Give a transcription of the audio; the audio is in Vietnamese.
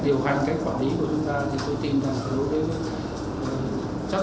để tránh cái tình trạng khi mà giá tăng